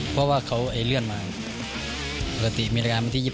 เพราะว่าเขาเลื่อนมาปกติมีรายการวันที่๒๒